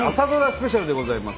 スペシャルでございます。